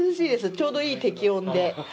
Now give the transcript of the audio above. ちょうどいい適温で。